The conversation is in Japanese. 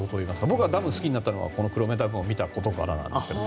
僕がダムが好きになったのが黒部ダムを見たことなんですけど。